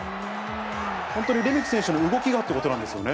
本当にレメキ選手の動きがということなんですよね。